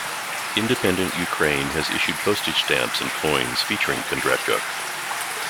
Independent Ukraine has issued postage stamps and coins featuring Kondratyuk.